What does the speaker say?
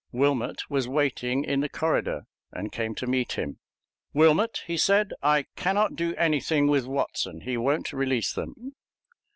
Wilmot was waiting in the corridor, and came to meet him. "Wilmot," he said, "I can't do anything with Watson; he won't release them."